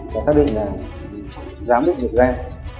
và xác định là dám đụng được ghen